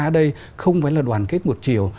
ở đây không phải là đoàn kết một chiều